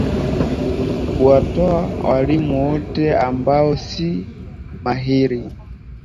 kuwatoa walimu wote ambao si mahili